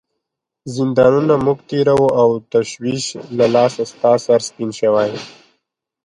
زندانونه موږ تیروو او تشویش له لاسه ستا سر سپین شوی.